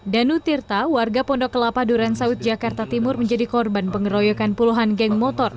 danu tirta warga pondok kelapa duren sawit jakarta timur menjadi korban pengeroyokan puluhan geng motor